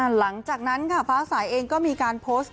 หลังจากนั้นค่ะฟ้าสายเองก็มีการโพสต์